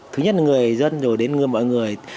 thứ nhất là người dân rồi đến mọi người